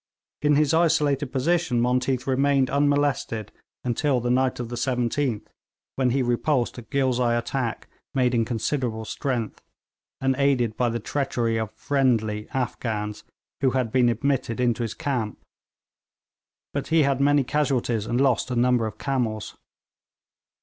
In his isolated position Monteath remained unmolested until the night of the 17th, when he repulsed a Ghilzai attack made in considerable strength, and aided by the treachery of 'friendly' Afghans who had been admitted into his camp; but he had many casualties, and lost a number of camels.